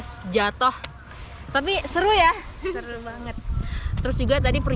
membuat lawan gelas di dalam pulau